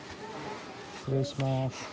失礼します。